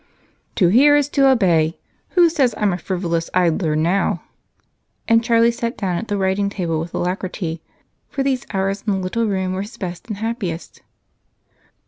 "To hear is to obey. Who says I'm a 'frivolous idler' now?" And Charlie sat down at the writing table with alacrity, for these hours in the little room were his best and happiest.